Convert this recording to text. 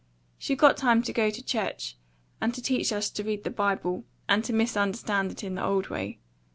She got time to go to church, and to teach us to read the Bible, and to misunderstand it in the old way.